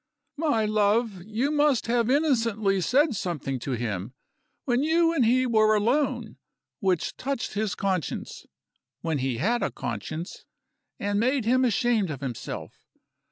"My love, you must have innocently said something to him, when you and he were alone, which touched his conscience (when he had a conscience), and made him ashamed of himself.